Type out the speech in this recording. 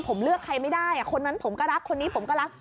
ผมเลือกใครไม่ได้คนนั้นผมก็รักคนนี้ผมก็รัก